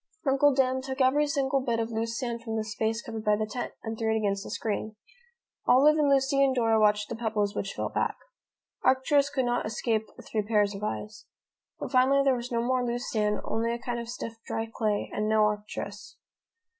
Uncle Dan took every single bit of loose sand from the space covered by the tent, and threw it against the screen. Olive and Lucy and Dora watched the pebbles which fell back. Arcturus could not escape three pairs of eyes. But finally there was no more loose sand, only a kind of stiff dry clay, and no Arcturus.